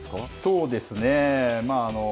そうですね。